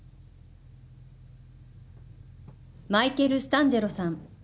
マイケル・スタンジェロさん。